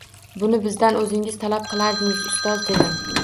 – Buni bizdan o’zingiz talab kilardingiz, ustoz, – dedim